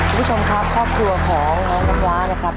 คุณผู้ชมครับครอบครัวของน้องน้ำว้านะครับ